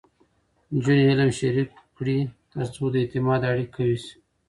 نجونې علم شریک کړي، ترڅو د اعتماد اړیکې قوي شي.